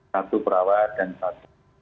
satu perawat dan satu